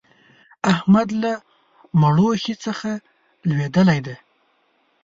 احمد له مړوښې څخه لوېدلی دی.